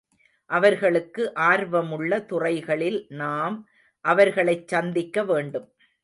அவர்களுக்கு ஆர்வமுள்ள துறைகளில் நாம் அவர்களைச் சந்திக்க வேண்டும்.